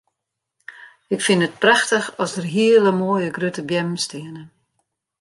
Ik fyn it prachtich at der hele moaie grutte beammen steane.